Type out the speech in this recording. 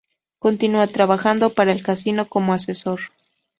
Continúa trabajando para el casino como asesor.